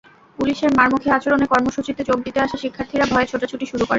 পুলিশের মারমুখী আচরণে কর্মসূচিতে যোগ দিতে আসা শিক্ষার্থীরা ভয়ে ছোটাছুটি শুরু করে।